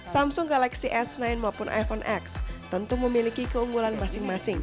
samsung galaxy s sembilan maupun iphone x tentu memiliki keunggulan masing masing